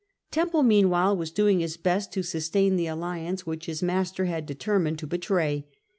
Temple meanwhile was doing his best to sustain the alliance which his master had determined to betray.